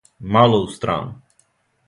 Мало у страну.